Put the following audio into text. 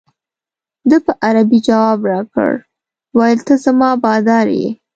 ده په عربي جواب راکړ ویل ته زما بادار یې.